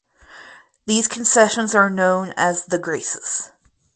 These concessions are known as the Graces.